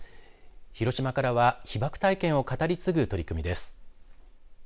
広島からは、被爆体験を語り継ぐ取り組みです。